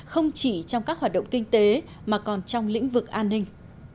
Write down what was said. không chỉ trong các hoạt động kinh tế mà còn trong lĩnh vực an ninh